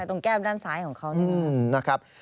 ตรงแก้บด้านซ้ายของเขานะครับ